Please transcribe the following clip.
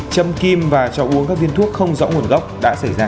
châm kim và cho uống các viên thuốc không rõ nguồn gốc đã xảy ra